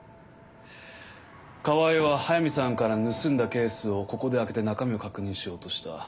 河合は速水さんから盗んだケースをここで開けて中身を確認しようとした。